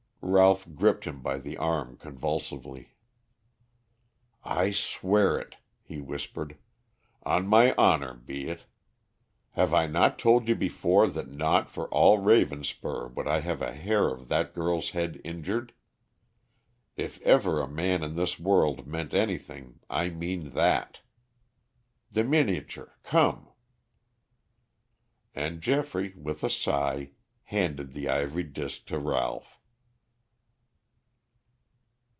Ralph gripped him by the arm convulsively. "I swear it," he whispered. "On my honor be it. Have I not told you before that not for all Ravenspur would I have a hair of that girl's head injured! If ever a man in this world meant anything, I mean that. The miniature, come!" And Geoffrey, with a sigh, handed the ivory disc to Ralph.